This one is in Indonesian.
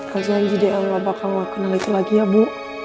aku janji deh el gak bakal gak kenal itu lagi ya bu